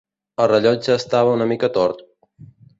El rellotge estava una mica tort.